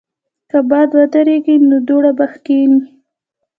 که باد ودریږي، نو دوړه به کښېني.